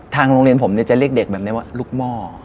ทางโรงเรียนผมจะเรียกเด็กแบบนี้ว่าลูกหม้อ